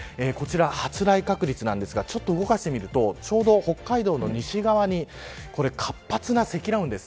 発雷確率なんですがちょっと動かしてみると北海道の西側に活発な積乱雲です。